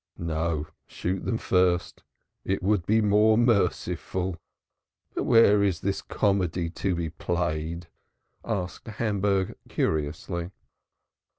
"No, shoot them first; it would be more merciful. But where is this comedy to be played?" asked Hamburg curiously.